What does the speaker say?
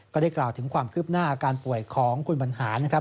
ก็ได้กล่าวถึงความคืบหน้าอาการป่วยของคุณบรรหารนะครับ